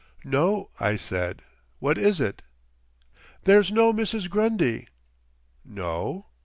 "No," I said, "what is it?" "There's no Mrs. Grundy." "No?"